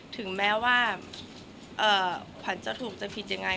ถึงแม้ว่าขวัญจะถูกจะผิดยังไง